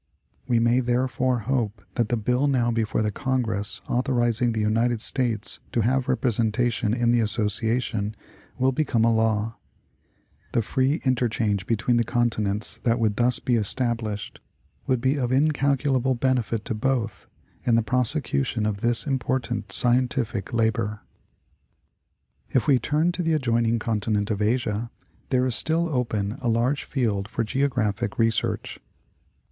We may therefore hope that the bill now before the Congress author izing the United States to have representation in the Association, will become a law. The free interchange between the continents Geography of the Land. 127 that would thus be established, would be of incalculable benefit to both in the prosecution of this important scientific labor. If we turn to the adjoining continent of Asia, there is still open a large field for Geographic research.